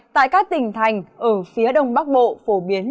tại các tỉnh thành ở phía đông bắc bộ phổ biến